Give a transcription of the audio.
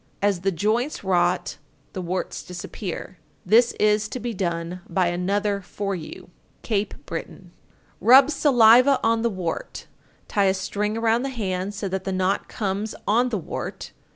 As the joints rot, the warts disappear. This is to be done by another for you. Cape Breton. 926. Rub saliva on the wart, tie a string around the hand so that the knot comes on the wart.